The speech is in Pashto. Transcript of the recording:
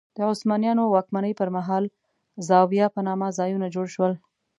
د عثمانیانو واکمنۍ پر مهال زوايا په نامه ځایونه جوړ شول.